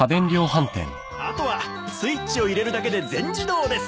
あとはスイッチを入れるだけで全自動です！